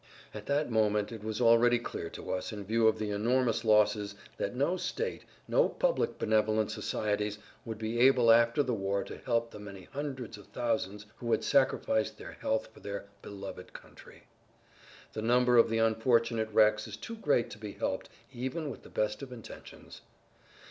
At that moment it was already clear to us in view of the enormous losses that no state, no public benevolent societies would be able after the war to help the many hundreds of thousands who had sacrificed their health for their "beloved country." The number of the unfortunate wrecks is too great to be helped even with the best of intentions.